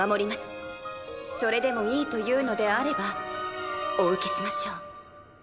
それでもいいというのであればお受けしましょう。！